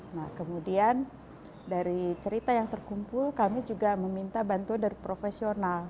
nah kemudian dari cerita yang terkumpul kami juga meminta bantuan dari profesional